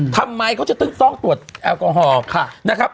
ทำไมเขาจะต้องตรวจแอลกอฮอล์นะครับ